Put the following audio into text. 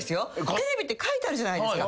テレビって書いてあるじゃないですか。